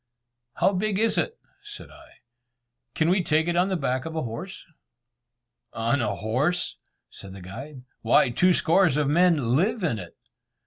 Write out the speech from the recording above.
"How big is it?" said I, "can we take it on the back of a horse?" "On a horse!" said the guide, "why, two score of men live in it."